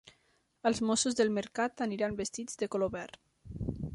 Els mossos del mercat aniran vestits de color verd.